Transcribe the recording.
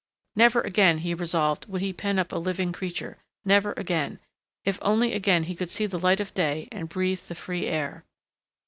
Never again, he resolved, would he pen up a living creature, never again, if only again he could see the light of day and breathe the free air....